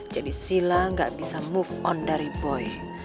jadi sila gak bisa move on dari boy